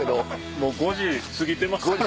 もう５時過ぎてますから。